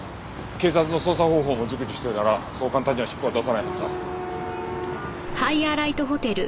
警察の捜査方法も熟知してるならそう簡単には尻尾は出さないはずだ。